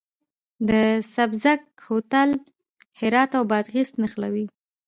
د سبزک کوتل هرات او بادغیس نښلوي